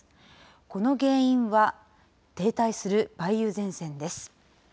この原因は、停滞する梅雨前線です。